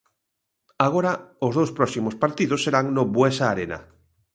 Agora os dous próximos partidos serán no Buesa Arena.